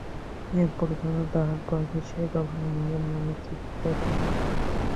এ পর্যন্তও তাহার বয়সে সে কখনো নিজের নামের চিঠি দেখে নাই।